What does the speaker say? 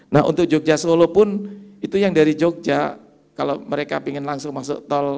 nah untuk jogja solo pun itu yang dari jogja kalau mereka ingin langsung masuk tol